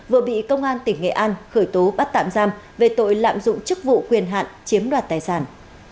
vừa bị công an tỉnh nghệ an khởi tố bắt tạm giam về tội lạm dụng chức vụ quyền hạn chiếm đoạt tài sản